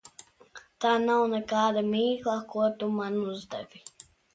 Tā nav nekāda mīkla, ko tu man uzdevi.